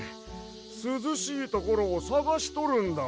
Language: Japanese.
すずしいところをさがしとるんだわ。